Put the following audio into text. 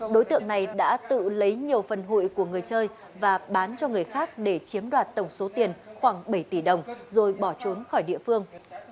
đối tượng này đã tự lấy nhiều phần hụi của người chơi và bán cho người khác để chiếm đoạt tổng số tiền khoảng bảy tỷ đồng rồi bỏ trốn khỏi địa phương